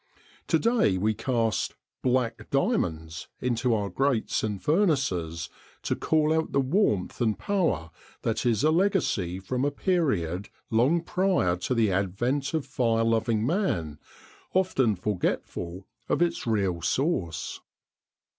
To day we cast "black diamonds" into our grates and furnaces, to call out the warmth and power that is a legacy from a period long prior to the advent of fire loving man, often forgetful of its real source.